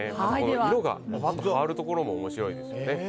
色が変わるところも面白いですよね。